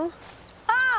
ああ！